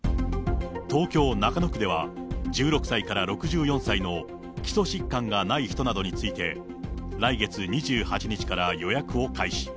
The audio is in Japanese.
東京・中野区では、１６歳から６４歳の基礎疾患がない人などについて、来月２８日から予約を開始。